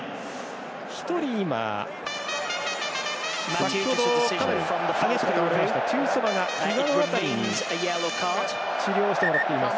１人、先ほど激しく倒れましたテュイソバがひざの辺り治療してもらっています。